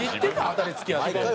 当たり付きやって。